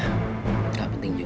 ya nggak penting juga